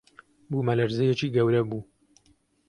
بوومەلەرزەیێکی گەورە بوو